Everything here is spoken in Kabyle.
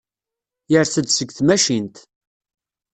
Yers-d seg tmacint.